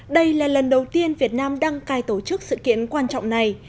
đây là lần đầu tiên việt nam đăng cai tổ chức sự kiện quan trọng này